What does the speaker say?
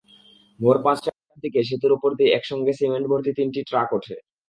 ভোর পাঁচটার দিকে সেতুর ওপর দিয়ে একসঙ্গে সিমেন্টভর্তি তিনটি ট্রাক ওঠে।